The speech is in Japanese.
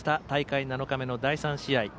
大会７日目の第３試合。